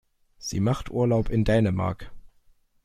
Sie macht Urlaub in Dänemark.